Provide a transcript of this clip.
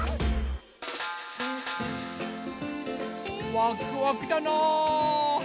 ワクワクだなぁ。